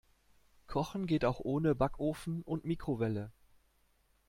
Kochen geht auch ohne Backofen und Mikrowelle.